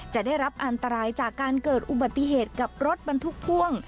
จะได้รับอันตรายจากการเกิดอุบัติเหตุกับรถบรรทุกพ่วง